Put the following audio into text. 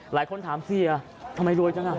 หลายคนถามเสียทำไมรวยจังอ่ะ